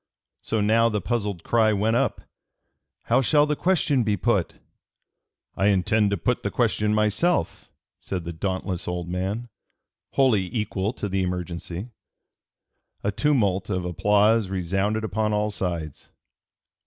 So now the puzzled cry went up: "How shall the question be put?" "I intend to put the question myself," said the dauntless old man, wholly equal to the emergency. A tumult of applause resounded upon all sides.